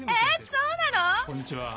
そうなの？